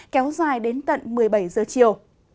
kéo dài đến tận một mươi bảy giờ chiều